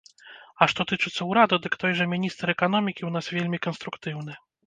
А што тычыцца ўрада, дык той жа міністр эканомікі ў нас вельмі канструктыўны.